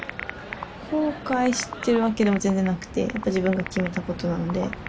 後悔してるわけでは全然なくてやっぱ自分が決めたことなので。